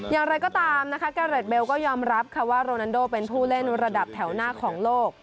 อย่างไรก็ตามนะคะแกเรดเบลก็ยอมรับค่ะว่าโรนันโดเป็นผู้เล่นระดับแถวหน้าของโลก